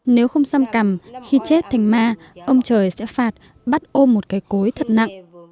nếu không xăm cằm khi chết thành ma ông trời sẽ phạt bắt ôm một cái cối thật nặng